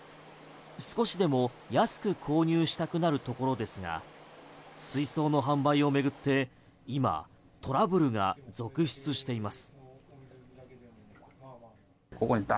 少しでも安く購入したくなるところですが水槽の販売を巡って今、トラブルが続出しています。